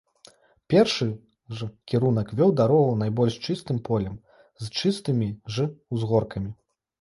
Першы ж кірунак вёў дарогу найбольш чыстым полем, з чыстымі ж узгоркамі.